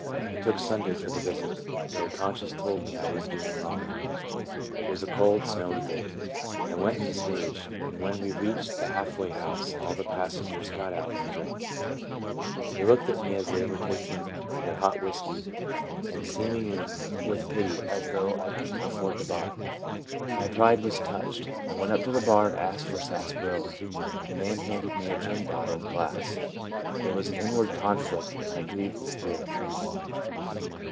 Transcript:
I took Sunday for the visit, though conscience told me I was doing wrong. It was a cold, snowy day. I went in the stage, and when we reached the half way house all the passengers got out and drank. They looked at me as they were taking their hot whiskey, seemingly with 56 TRANSFORMED. pity, as though I could n't afford to buy. My pride was touched. I went up to the bar and asked for sarsaparilla. The man handed me a gin bottle and glass. There was an inward conflict, and I grieved the Spirit.